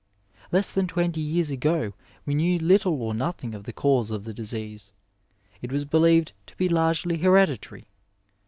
Less than twenty years ago we knew little or nothing of tbe cause of the disease. It was believed to be largely hereditary.